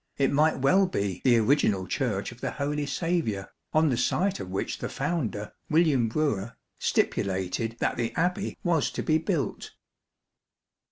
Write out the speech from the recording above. it might well be the original Church of the Holy Saviour, on the site of which the founder, William Brewer, stipulated that the Abbey was to be built.